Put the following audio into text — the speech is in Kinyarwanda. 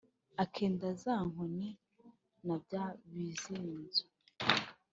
akenda zá nkoni na byá bizínzo